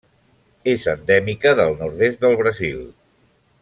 És endèmica del nord-est del Brasil.